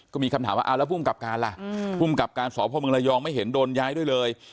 ก็มีคำถามว่าเอาแล้วภูมิกับการล่ะภูมิกับการสพมระยองไม่เห็นโดนย้ายด้วยเลย